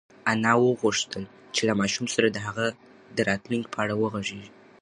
انا غوښتل چې له ماشوم سره د هغه د راتلونکي په اړه وغږېږي.